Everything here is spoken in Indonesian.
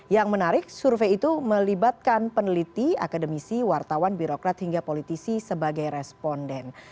yang menarik survei itu melibatkan peneliti akademisi wartawan birokrat hingga politisi sebagai responden